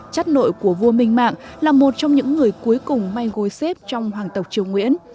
chất nội của vua minh mạng là một trong những người cuối cùng may gối xếp trong hoàng tộc triều nguyễn